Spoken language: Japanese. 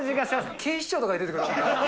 警視庁とかに出てくる。